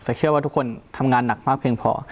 แต่เชื่อว่าทุกคนทำงานหนักมากเพียงพอ